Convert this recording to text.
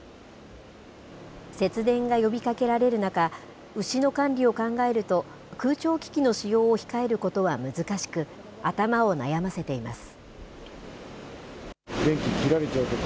節電が呼びかけられる中、牛の管理を考えると、空調機器の使用を控えることは難しく、頭を悩ませています。